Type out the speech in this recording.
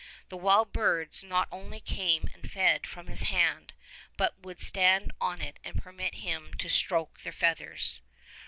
The wild birds not only came and fed from his hand, but would stand on it and permit him to stroke their feathers.